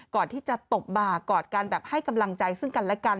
ตบบ่ากอดกันแบบให้กำลังใจซึ่งกันและกัน